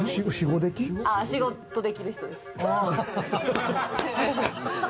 仕事できる人です。